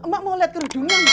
mak mau lihat kerudungnya